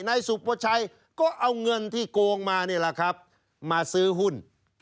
นายสุประชัยก็เอาเงินที่โกงมานี่แหละครับมาซื้อหุ้น